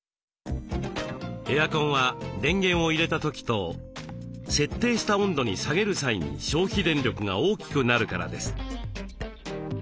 エアコンは電源を入れた時と設定した温度に下げる際に消費電力が大きくなるからです。